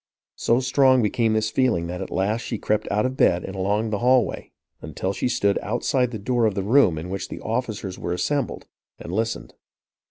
So strong became this feeling that at last she crept out of bed and along the hallway, until she stood outside the door of the room in which the officers were assembled, and listened.